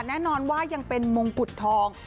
แน่นอนว่ายังเป็นมงกุฎทอง